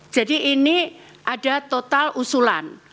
jadi ini ada total usulan